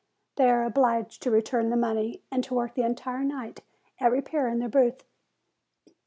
They are obliged to return the money, and to work the entire night at repairing their booth.